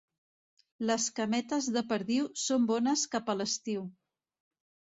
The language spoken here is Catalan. Les cametes de perdiu són bones cap a l'estiu.